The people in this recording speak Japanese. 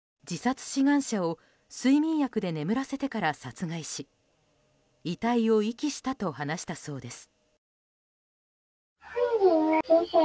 自殺志願者を睡眠薬で眠らせてから殺害し遺体を遺棄したと話したそうです。